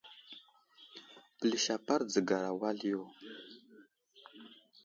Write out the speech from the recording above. Pəlis apar dzəgar wal yo.